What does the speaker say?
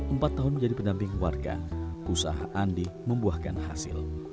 empat tahun menjadi pendamping warga usaha andi membuahkan hasil